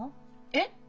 えっ？